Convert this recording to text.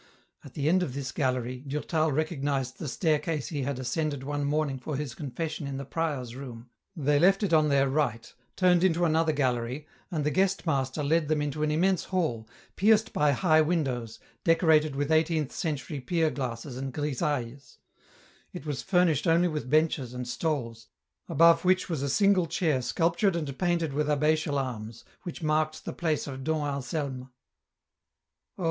At the end of this gallery, Durtal recognised the staircase he had ascended one morning for his confession in the prior's room. They left it on their right, turned into another gallery, and the guest master led them into an immense hall, pierced by high windows, decorated with eighteenth century pier glasses and grisailles; it was furnished only with benches and stalls, above which was a single chair sculptured and painted with abbatial arms, which marked the place of Dom Anselm. " Oh